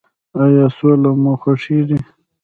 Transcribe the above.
ایا سوله مو خوښیږي؟